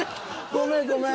ごめんごめん。